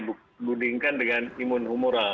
dibandingkan dengan imun umural